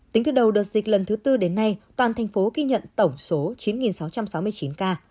tính từ đầu đợt dịch lần thứ tư đến nay toàn thành phố ghi nhận tổng số chín sáu trăm sáu mươi chín ca